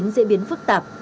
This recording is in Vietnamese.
dễ biến phức tạp